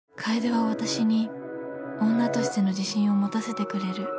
楓は私に女としての自信を持たせてくれる。